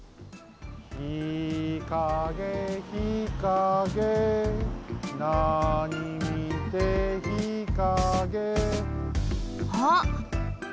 「ひかげひかげなに見てひかげ」あっ！